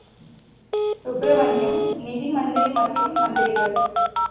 சுப்ரமணியம் நிதி மந்திரி மற்றும் மந்திரிகள்.